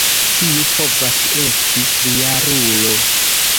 Tiu povas esti trijarulo.